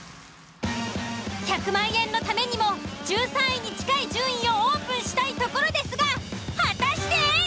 １００万円のためにも１３位に近い順位をオープンしたいところですが果たして？